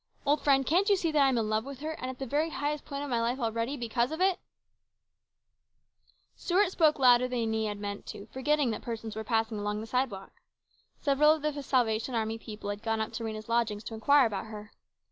" Old friend, can't you see that I am in love with her, and at the very highest point of my life already because of it ?" Stuart spoke louder than he had meant to, forgetting that persons were passing along the side walk. Several of the Salvation Army people had gone up to Rhena's lodgings to inquire about her.